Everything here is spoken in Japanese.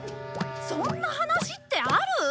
そんな話ってある！？